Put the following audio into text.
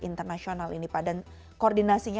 internasional ini pak dan koordinasinya